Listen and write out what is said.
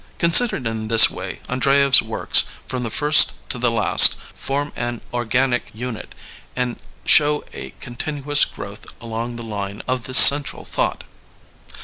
Considered in this way 18 LEONID ANDREYEV Andreyev *s works from the first to the last form an organic nnit and show a continuous growth along the line of this central thought.